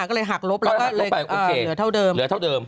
ก็เลยหักลบไปหลังจากนี้เหลือเท่าเดิม